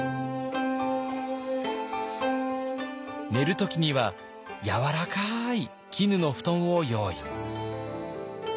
寝る時にはやわらかい絹の布団を用意。